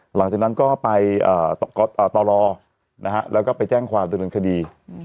หลังจากนั้นก็ไปต่อรอแล้วก็ไปแจ้งความดำเนินคดี